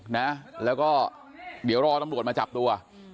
นะแล้วก็เดี๋ยวรอตำรวจมาจับตัว